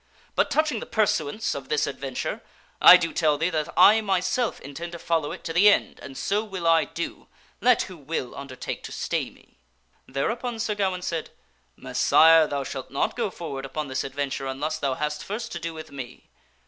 But touching the pursuance of this adventure, I do tell thee that I myself intend to follow it to the end and so will I do, let who will undertake to stay me." Thereupon Sir Gawaine said, " Messire, thou shalt not go forward upon this adventure unless thou hast first to do with me."